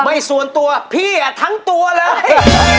ส่วนตัวพี่ทั้งตัวเลย